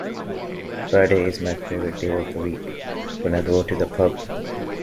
Friday is my favourite day of the week, when I go to the pub